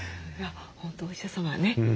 本当お医者様ね。